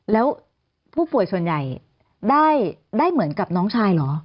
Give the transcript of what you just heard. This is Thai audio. แล้วผู้ป่วยส่วนใหญ่ได้เหมือนกับน้องชายเหรอ